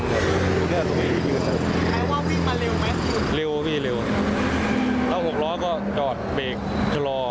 ว่าพี่มาเร็วไหมเร็วพี่เร็วแล้วหกล้อก็จอดเบรคชะลอ